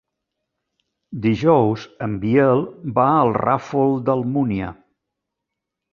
Dijous en Biel va al Ràfol d'Almúnia.